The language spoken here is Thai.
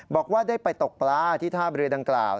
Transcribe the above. บอกว่าได้ไปตกปลาที่ท่าเรือดังกล่าว